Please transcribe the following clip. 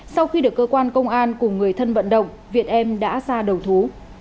sau khi được cơ quan công an cùng người thân vận động việt em đã ra đầu thú